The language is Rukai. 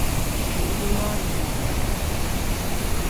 ni’idholroali moa gako